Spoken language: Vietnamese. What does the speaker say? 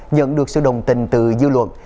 nhận được sự đồng tình từ dư luận